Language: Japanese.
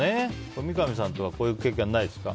これ、三上さんとかはこういう経験ないですか？